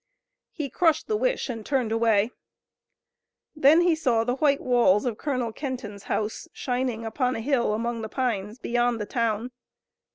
He crushed the wish and turned away. Then he saw the white walls of Colonel Kenton's house shining upon a hill among the pines beyond the town.